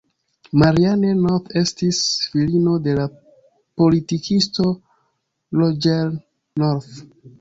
Marianne North estis filino de la politikisto Roger North.